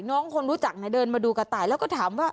คนรู้จักเดินมาดูกระต่ายแล้วก็ถามว่า